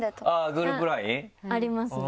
グループＬＩＮＥ？ありますね。